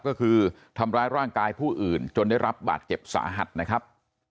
ก็คือทำร้ายร่างกายผู้อื่นจนได้รับบาดเจ็บสาหัสนะครับ